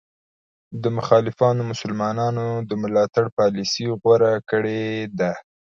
د مخالفو مسلمانانو د ملاتړ پالیسي غوره کړې ده.